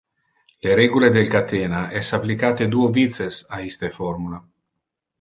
Le regula del catena es applicate duo vices a iste formula.